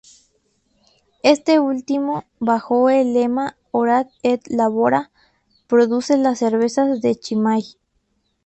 Este último, bajo el lema "Ora et Labora", produce las cervezas de Chimay.